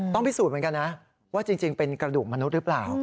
พิสูจน์เหมือนกันนะว่าจริงเป็นกระดูกมนุษย์หรือเปล่า